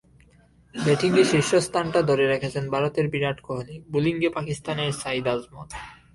ব্যাটিংয়ে শীর্ষস্থানটা ধরে রেখেছেন ভারতের বিরাট কোহলি, বোলিংয়ে পাকিস্তানের সাঈদ আজমল।